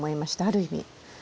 ある意味。